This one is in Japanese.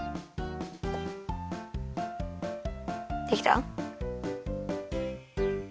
できた？